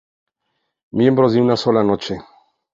Miembros de una sola noche